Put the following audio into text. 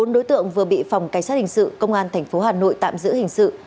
bốn đối tượng vừa bị phòng cảnh sát hình sự công an tp hà nội tạm giữ hình sự